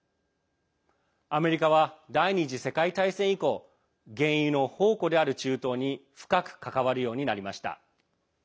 アメリカは第２次世界大戦以降原油の宝庫である中東に深く関わるようになりました。